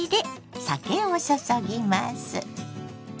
酒を注ぎます。